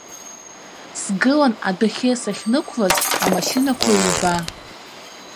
Сгылан адәахьы сахьнықәлаз амашьынақәа ҩба.